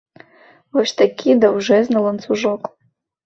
Вось такі даўжэзны ланцужок.